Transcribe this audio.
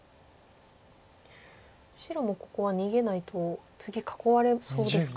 白もここは逃げないと次囲われそうですか。